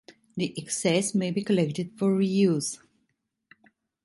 The excess may be collected for reuse.